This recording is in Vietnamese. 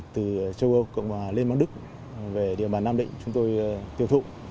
từ châu âu cộng hòa lên bắc đức về địa bàn nam định chúng tôi tiêu thụ